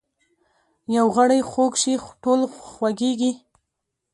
یو غړی خوږ شي ټول خوږیږي